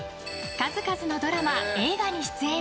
数々のドラマ・映画に出演。